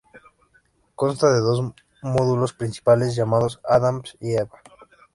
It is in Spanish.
Consta de dos módulos principales llamados Adam y Eve.